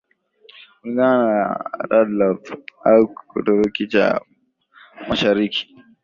kulingana na Radlov au Kituruki cha Mashariki